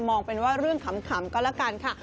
มองเป็นว่าเรื่องขำก็แล้วกันค่ะ